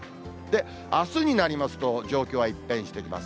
あすになりますと、状況は一変してきます。